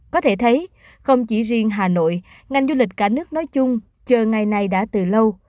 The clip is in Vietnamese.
có thể thấy không chỉ riêng hà nội ngành du lịch cả nước nói chung chờ ngày này đã từ lâu